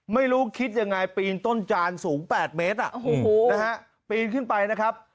ไม่รู้คิดยังไงปีนต้นจานสูง๘เมตรปีนขึ้นไปนะครับ